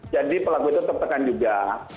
jadi pelaku itu tertekan juga